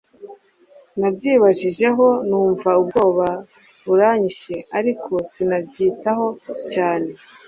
nabyibajijeho numva ubwoba buranyishe ariko sinabyitaho cyane